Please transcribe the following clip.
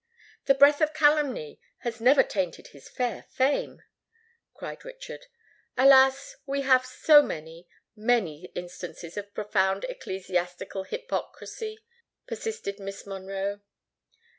"The breath of calumny has never tainted his fair fame," cried Richard. "Alas! we have so many—many instances of profound ecclesiastical hypocrisy," persisted Miss Monroe.